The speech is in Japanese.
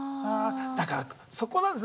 だからそこなんです。